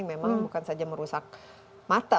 memang bukan saja merusak mata